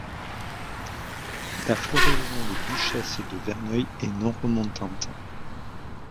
La floraison de 'Duchesse de Verneuil' est non remontante.